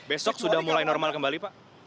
besok sudah mulai normal kembali pak